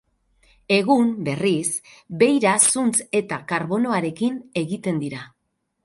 Egun, berriz, beira zuntz eta karbonoarekin egiten dira.